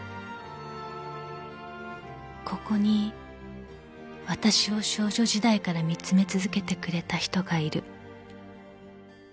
［ここにわたしを少女時代から見つめ続けてくれた人がいる］